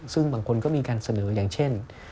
ซึ่งบางคนก็มีการเสนออย่างเช่น